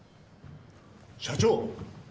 社長。